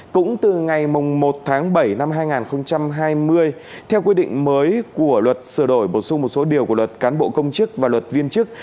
cũng từ ngày một tháng bảy năm hai nghìn hai mươi theo quy định mới của luật sửa đổi bổ sung một số điều của luật cán bộ công chức và luật viên chức